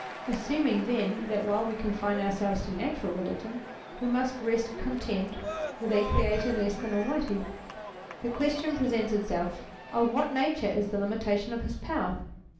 Assuming then that while we confine ourselves to Natural Eeligion we must rest content with a Creator less than Almighty ; the question presents itself, of what nature is the limitation of his power?